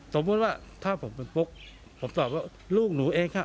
สมมุติว่าถ้าผมเป็นปุ๊กผมตอบว่าลูกหนูเอง